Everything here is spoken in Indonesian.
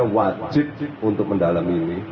wajib untuk mendalami ini